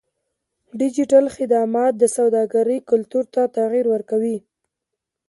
ډیجیټل خدمات د سوداګرۍ کلتور ته تغیر ورکوي.